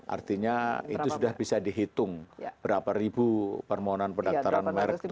artinya itu sudah bisa dihitung berapa ribu permohonan pendaftaran merek itu